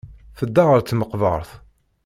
Tedda ɣer tmeqbert.